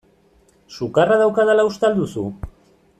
Sukarra daukadala uste al duzu?